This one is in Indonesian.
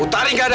putari gak ada